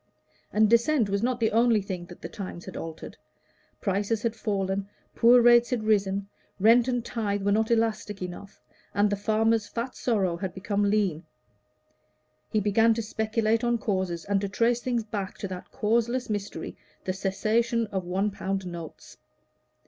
And Dissent was not the only thing that the times had altered; prices had fallen, poor rates had risen, rent and tithe were not elastic enough, and the farmer's fat sorrow had become lean; he began to speculate on causes, and to trace things back to that causeless mystery, the cessation of one pound notes.